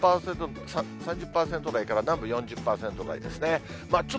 ３０％台から南部４０％台ですね。